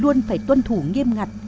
luôn phải tuân thủ nghiêm ngặt